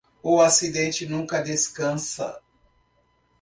O acidente nunca descansa.